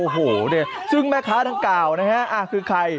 คือทวงมาพอ